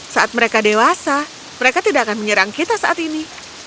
saat mereka dewasa mereka tidak akan menyerang kita saat ini